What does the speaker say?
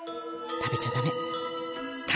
食べちゃダメ。